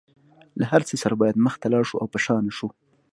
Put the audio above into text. له هر څه سره باید مخ ته لاړ شو او په شا نشو.